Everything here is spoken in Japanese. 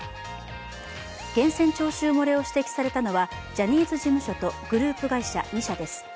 源泉徴収漏れを指摘されたのはジャニーズ事務所とグループ会社２社です。